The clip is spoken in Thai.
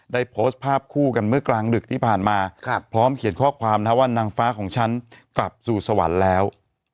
ได้โพสต์ภาพคู่กันเมื่อกลางดึกที่ผ่านมาพร้อมเขียนข้อความนะว่านางฟ้าของฉันกลับสู่สวรรค์แล้ว